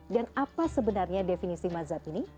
dan apa sebenarnya definisi mazhab ini